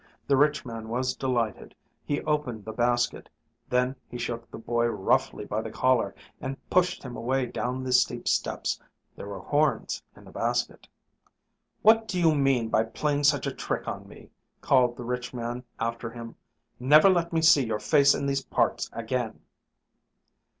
The rich man was delighted. He opened the basket. Then he shook the boy roughly by the collar and pushed him away down the steep steps. There were horns in the basket. "What do you mean by playing such a trick on me?" called the rich man after him. "Never let me see your face in these parts again!"